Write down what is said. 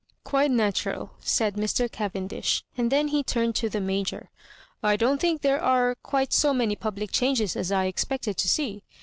" Quite natural," said Mr. Cavendish, and then he turned to the Major. *^ I don't think there are quite so many public changes as I expected to see.